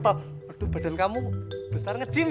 aduh badan kamu besar ngejim ya